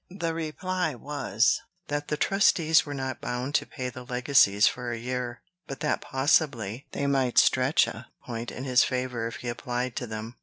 The reply was, that the trustees were not bound to pay the legacies for a year, but that possibly they might stretch a point in his favor if he applied to them.